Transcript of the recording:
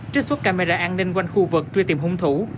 trích xuất camera an ninh quanh khu vực truy tìm hung thủ